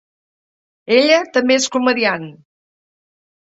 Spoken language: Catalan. Ella també és comediant.